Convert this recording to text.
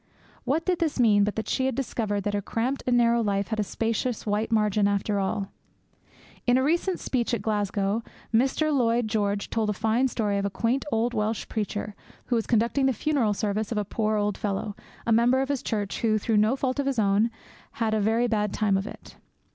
What did this mean but that she had discovered that her cramped and narrow life had a spacious white margin after all? In a recent speech at Glasgow, Mr. Lloyd George told a fine story of a quaint old Welsh preacher who was conducting the funeral service of a poor old fellow, a member of his church, who, through no fault of his own, had had a very bad time of it.